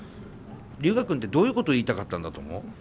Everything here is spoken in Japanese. リュウガ君ってどういうことを言いたかったんだと思う？